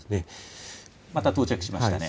また到着しましたね。